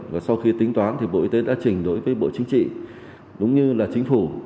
và sau khi tính toán thì bộ y tế đã trình đối với bộ chính trị đúng như là chính phủ